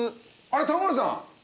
あれタモリさん！